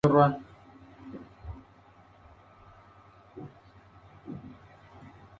Este portal termina en un "círculo parlante" en el mundo de Roland.